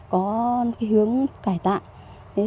có cái hướng cải tạo